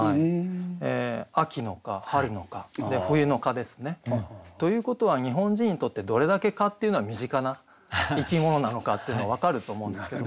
「秋の蚊」「春の蚊」で「冬の蚊」ですね。ということは日本人にとってどれだけ蚊っていうのは身近な生き物なのかっていうのが分かると思うんですけども。